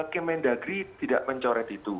kemendagri tidak mencoret itu